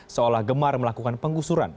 seolah gemar melakukan penggusuran